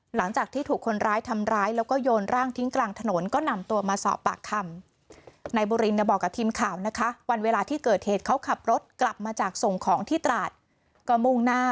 หลังจากที่ถูกคนร้ายทำร้ายแล้วก็โยนร่างทิ้งกลางถนนก็นำตัวมาสอบปากคำ